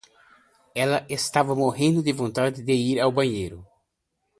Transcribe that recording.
Ela estava morrendo de vontade de ir ao banheiro.